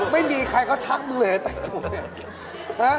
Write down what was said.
ไม่มีใครก็ทักมึงเลยแตกตัวนี่